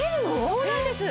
そうなんです！